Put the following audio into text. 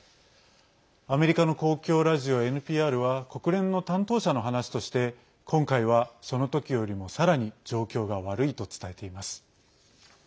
アメリカの公共ラジオＮＰＲは国連の担当者の話として今回は、その時よりもさらに状況が悪いと伝えています。